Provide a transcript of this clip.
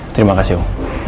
terima kasih om